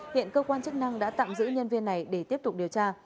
hiện cơ quan chức năng đã tạm giữ nhân viên này để tiếp tục điều tra